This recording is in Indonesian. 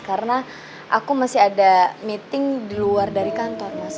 karena aku masih ada meeting di luar dari kantor mas